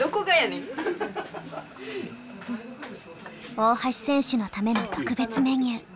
大橋選手のための特別メニュー。